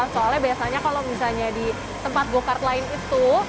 soalnya biasanya kalau misalnya di tempat go kart lain itu